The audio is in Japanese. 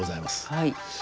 はい。